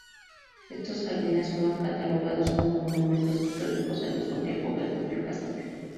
Estos jardines fueron catalogados como monumentos históricos, al mismo tiempo que el propio castillo.